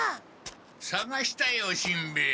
さがしたよしんべヱ。